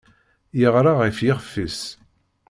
Yeɣra ɣef yixef-is.